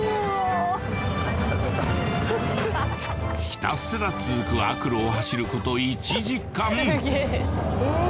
ひたすら続く悪路を走ること１時間ええー